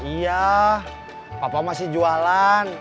iya papa masih jualan